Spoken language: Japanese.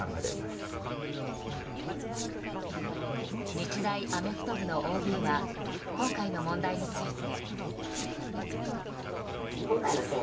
日大アメフト部のＯＢは今回の問題について。